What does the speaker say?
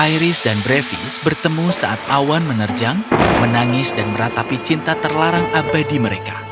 iris dan brevis bertemu saat awan menerjang menangis dan meratapi cinta terlarang abadi mereka